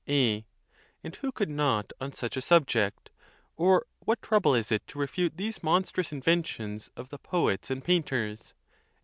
A. And who could not on such a subject? or what trouble is it to refute these monstrous inventions of the poets and painters